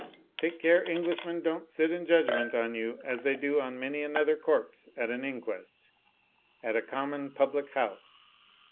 Take care Englishmen don't sit in judg ment on you as they do on many another corpse at an inquest — ^at a common public house!